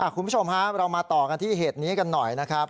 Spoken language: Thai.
คุณผู้ชมครับเรามาต่อกันที่เหตุนี้กันหน่อยนะครับ